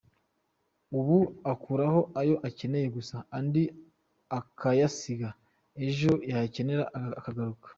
Ubu akuraho ayo akeneye gusa andi akayasiga, ejo yayakenera akagaruka.